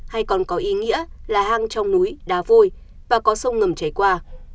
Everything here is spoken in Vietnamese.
hay còn có ý nghĩa là hang trong núi đá vôi và có sông ngầm chảy qua